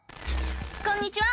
こんにちは！